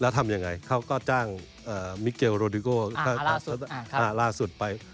แล้วทำยังไงเขาก็จ้างมิเกลโรดิโก้ล่าสุดไป